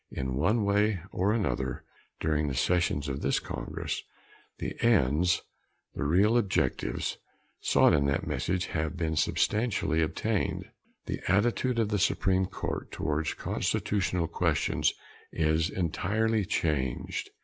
In one way or another, during the sessions of this Congress, the ends the real objectives sought in that message, have been substantially attained. The attitude of the Supreme Court towards constitutional questions is entirely changed.